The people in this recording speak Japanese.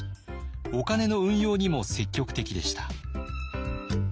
お金の運用にも積極的でした。